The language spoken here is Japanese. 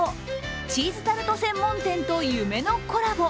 チーズタルト専門店と夢のコラボ。